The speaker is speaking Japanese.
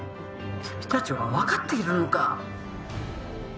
「君たちはわかっているのか？」